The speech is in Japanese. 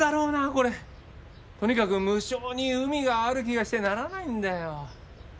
これとにかく無性に海がある気がしてならないんだよ。